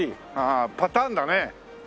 ああパターンだね。